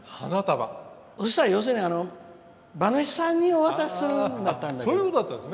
そしたら、要するに馬主さんにお渡しするんだったんだけど。